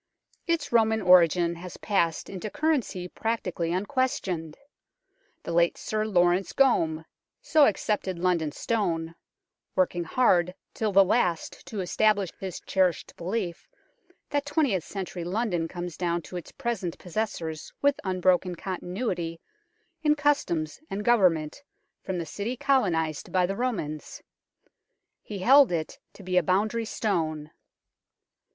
Its Roman origin has passed into currency practically unquestioned. The late Sir Laurence Gomme so accepted London Stone, working hard till the last to establish his cherished belief that twentieth century London comes down to its present possessors with unbroken continuity in customs and government from the city colonized by the Romans. He held it to be a boundary stone.